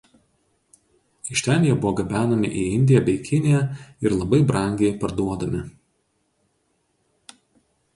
Iš ten jie buvo gabenami į Indiją bei Kiniją ir labai brangiai paduodami.